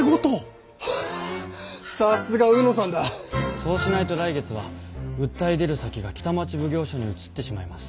そうしないと来月は訴え出る先が北町奉行所に移ってしまいます。